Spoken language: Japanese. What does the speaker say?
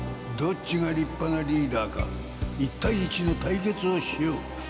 どっちがりっぱなリーダーか一対一の対決をしよう。